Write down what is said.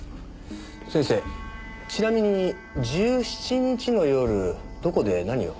先生ちなみに１７日の夜どこで何を？